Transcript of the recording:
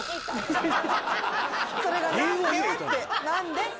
何で？